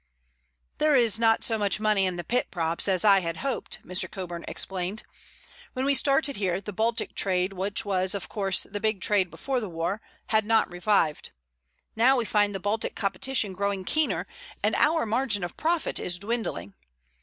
"There is not so much money in the pit props as I had hoped," Mr. Coburn explained. "When we started here the Baltic trade, which was, of course, the big trade before the war, had not revived. Now we find the Baltic competition growing keener, and our margin of profit is dwindling.